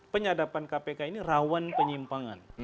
penyadapan kpk ini rawan penyimpangan